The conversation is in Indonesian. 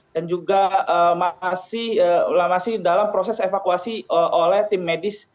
dan juga masih dalam proses evakuasi oleh tim medis